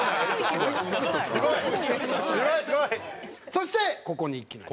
そしてここにいきなり。